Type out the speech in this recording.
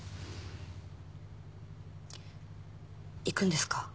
行くんですか？